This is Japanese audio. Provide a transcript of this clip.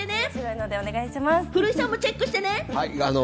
古井さんもチェックしてくださいね。